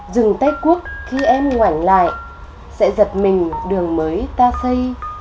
dừng tay quốc khi em ngoảnh lại sẽ giật mình đường mới ta xây